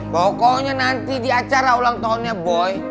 pokoknya nanti di acara ulang tahunnya boy